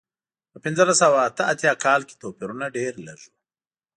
په پنځلس سوه اته اتیا کال کې توپیرونه ډېر لږ و.